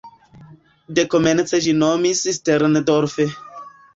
De komence ĝi nomiĝis "Sterndorf".